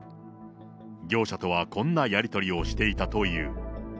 業者とはこんなやり取りをしていたという。